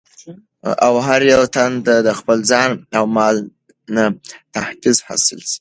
او هر يو تن ته دخپل ځان او مال نه تحفظ حاصل سي